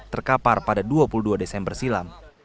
terkapar pada dua puluh dua desember silam